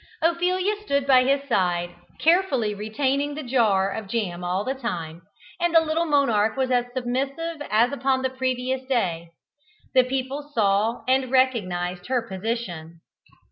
Ophelia stood by his side, carefully retaining the jar of jam all the time, and the little monarch was as submissive as upon the previous day. The people saw and recognised her position.